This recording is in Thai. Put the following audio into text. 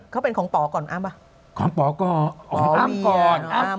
เขาเป็นของป๋อก่อนอ้ำอ่ะของป๋อก่อนของอ้ำก่อน